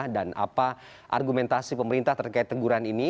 dan apa argumentasi pemerintah terkait teguran ini